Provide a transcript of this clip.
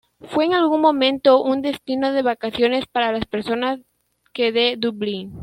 Fue en algún momento un destino de vacaciones para las personas que de Dublin.